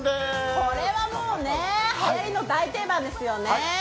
これはもうはやりの大定番ですよね。